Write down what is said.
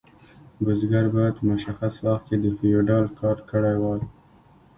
بزګر باید په مشخص وخت کې د فیوډال کار کړی وای.